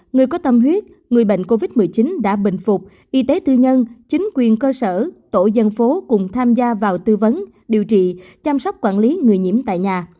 người có tâm huyết người bệnh covid một mươi chín đã bình phục y tế tư nhân chính quyền cơ sở tổ dân phố cùng tham gia vào tư vấn điều trị chăm sóc quản lý người nhiễm tại nhà